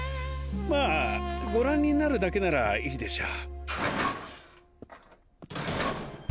まぁご覧になるだけならいいでしょう。